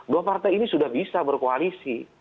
dua partai ini sudah bisa berkoalisi